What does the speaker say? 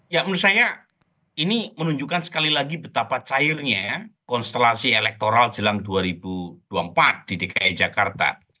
ya menurut saya ini menunjukkan sekali lagi betapa cairnya konstelasi elektoral jelang dua ribu dua puluh empat di dki jakarta